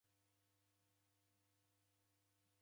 Kwaogha w'ushu?